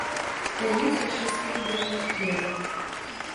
Даюць яшчэ скібу белага хлеба.